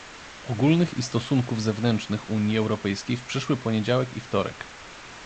Ogólnych i Stosunków Zewnętrznych Unii Europejskiej w przyszły poniedziałek i wtorek